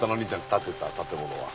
建ってた建物は。